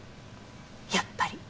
やっぱり。